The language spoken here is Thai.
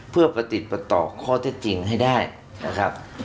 เพื่อประติดประต่อข้อเท็จจริงให้ได้นะครับ